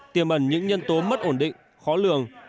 tiềm ẩn những nhân tố mất ổn định khó lường